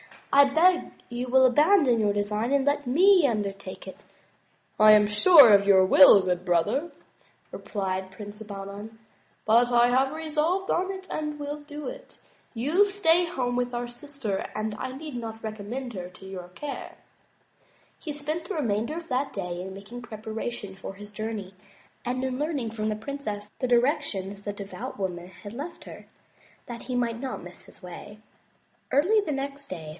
I beg you will abandon your design and let me undertake it." " I am sure of your good will, brother," replied Prince Bahman, "but I have resolved on it and will do it. You shall stay home with our sister and I need not recommend her to your care." He spent the remainder of that day in making preparations for his journey and in learning from the princess the directions the devout woman had left her, that he might not miss his way. Early the next day.